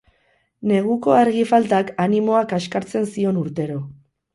Neguko argi faltak animoa kaxkartzen zion urtero.